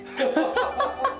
ハハハハ！